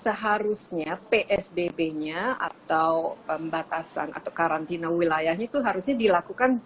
seharusnya psbb nya atau pembatasan atau karantina wilayahnya itu harusnya dilakukan